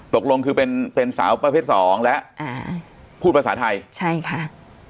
ตกลงคือเป็นเป็นสาวประเภทสองและอ่าพูดภาษาไทยใช่ค่ะ